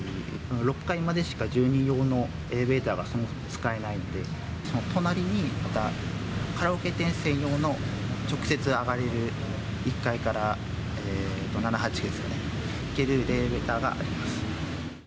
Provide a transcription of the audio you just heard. ６階までしか住人用のエレベーターがそもそも使えないんで、その隣にまたカラオケ店専用の直接上がれる１階から７、８ですかね、行けるエレベーターがあります。